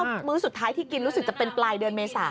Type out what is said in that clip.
มื้อสุดท้ายที่กินรู้สึกจะเป็นปลายเดือนเมษา